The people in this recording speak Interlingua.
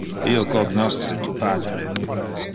Io cognosce tu patre.